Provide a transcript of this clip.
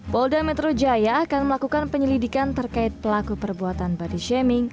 polda metro jaya akan melakukan penyelidikan terkait pelaku perbuatan body shaming